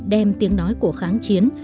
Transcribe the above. đem tiếng nói của kháng chiến